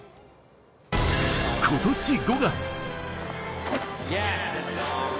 今年５月。